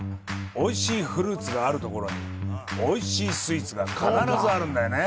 おいしいフルーツがあるところにはおいしいスイーツが必ずあるんだよね！